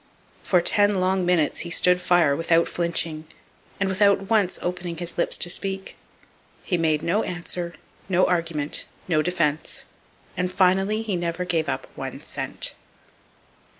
For ten long minutes he stood fire without flinching, and without once opening his lips to speak. He made no answer no argument, no defense and finally he never gave up one cent.